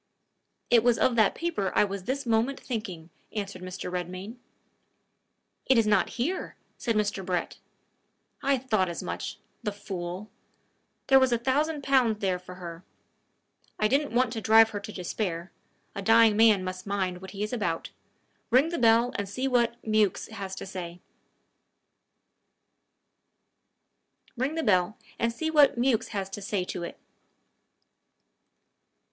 "It was of that paper I was this moment thinking," answered Mr. Redmain. "It is not here!" said Mr. Brett. "I thought as much! The fool! There was a thousand pounds there for her! I didn't want to drive her to despair: a dying man must mind what he is about. Ring the bell and see what Mewks has to say to it."